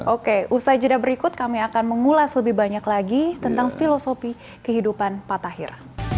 oke usai jeda berikut kami akan mengulas lebih banyak lagi tentang filosofi kehidupan pak tahir